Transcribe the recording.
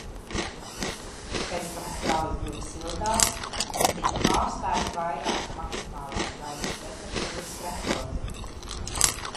Pēc tam strauji kļuva siltāks, un tika pārspēti vairāki maksimālās gaisa temperatūras rekordi.